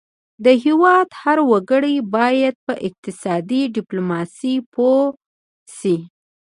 د هیواد هر وګړی باید په اقتصادي ډیپلوماسي پوه شي